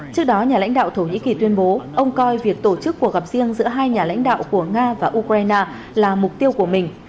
trước đó nhà lãnh đạo thổ nhĩ kỳ tuyên bố ông coi việc tổ chức cuộc gặp riêng giữa hai nhà lãnh đạo của nga và ukraine là mục tiêu của mình